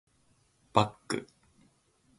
バック